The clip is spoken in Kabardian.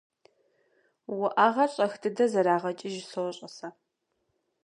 УӀэгъэр щӀэх дыдэ зэрагъэкӀыж сощӀэ сэ.